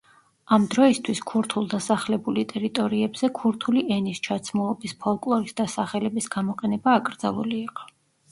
ამ დროისთვის ქურთულ დასახლებული ტერიტორიებზე ქურთული ენის, ჩაცმულობის, ფოლკლორის და სახელების გამოყენება აკრძალული იყო.